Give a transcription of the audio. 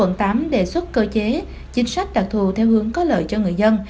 ubnd tp hcm đề xuất cơ chế chính sách đặc thù theo hướng có lợi cho người dân